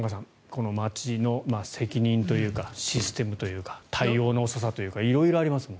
この町の責任というかシステムというか対応の遅さというか色々ありますが。